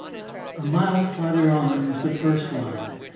A mile farther on is the first line.